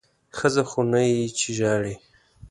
ښځه خو نه یې چې ژاړې!